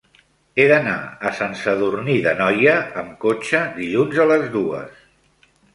He d'anar a Sant Sadurní d'Anoia amb cotxe dilluns a les dues.